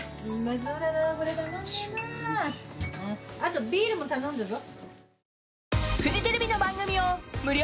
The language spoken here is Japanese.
あとビールも頼んだぞ。